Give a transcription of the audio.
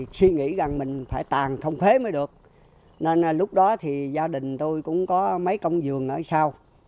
suy nghĩ rằng mình phải tàn không thế mới được nên lúc đó thì gia đình tôi cũng có mấy công giường ở sau